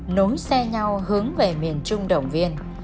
nối xe nhau hướng về miền trung đồng viên